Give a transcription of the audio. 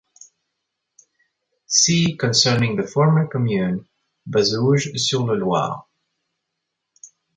See concerning the former commune Bazouges-sur-le-Loir.